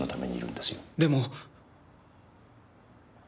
でも。